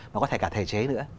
mà có thể cả thể chế nữa